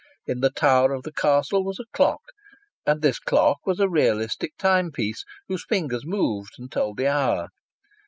In the tower of the castle was a clock, and this clock was a realistic timepiece, whose fingers moved and told the hour.